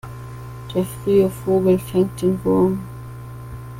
Der frühe Vogel fängt den Wurm.